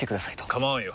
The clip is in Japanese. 構わんよ。